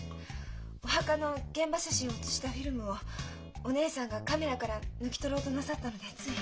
お墓の現場写真を写したフィルムをお姉さんがカメラから抜き取ろうとなさったのでつい。